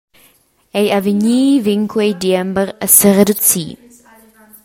Egl avegnir vegn quei diember a sereducir.